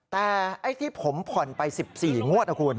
แต่ไอ้ที่ผมผ่อนไป๑๔งวดนะคุณ